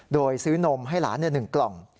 โดยซื้อนมให้หลานเนี่ยหนึ่งกล่อง